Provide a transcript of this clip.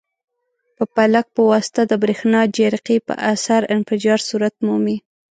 په پلک په واسطه د برېښنا جرقې په اثر انفجار صورت مومي.